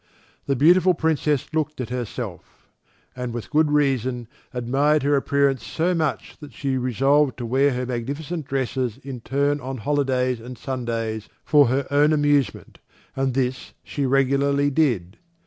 The beautiful Princess looked at herself, and with good reason, admired her appearance so much that she resolved to wear her magnificent dresses in turn on holidays and Sundays for her own amusement, and this she regularly did.